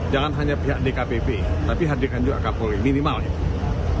jangan hanya pihak dkpp tapi hadirkan juga kapolri minimal ya